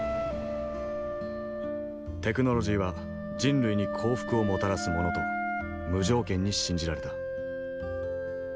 テクノロジーは人類に幸福をもたらすものと無条件に信じられた。